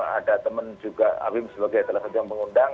ada teman juga awim sebagai salah satu yang mengundang